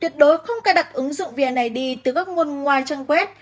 tuyệt đối không cài đặt ứng dụng vneid từ các nguồn ngoài trang web